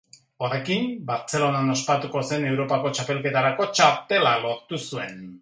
Horrekin, Bartzelonan ospatuko zen Europako Txapelketarako txartela lortu zuen.